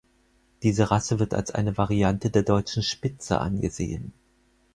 Diese Rasse wird als eine Variante der Deutschen Spitze angesehen.